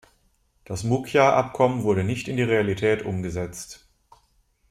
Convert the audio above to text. Das Mukja-Abkommen wurde nicht in die Realität umgesetzt.